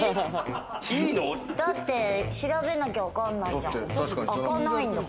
だって調べなきゃわかんないじゃん。